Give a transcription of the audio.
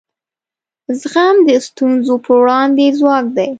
زغم د ستونزو پر وړاندې ځواک دی.